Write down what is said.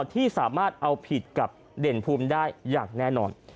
ที่สามารถเอาผิดกับเด่นภูมิได้อย่างแน่นอน